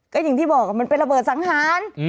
ก็อย่างที่บอกมันเป็นระเบิดสังหาร